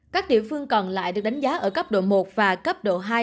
các địa phương còn lại được đánh giá ở cấp độ một và cấp độ hai